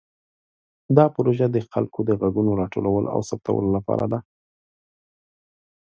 دا پروژه د خلکو د غږونو راټولولو او ثبتولو لپاره ده.